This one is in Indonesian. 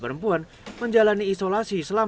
mereka kembali menjalani isolasi selama empat belas hari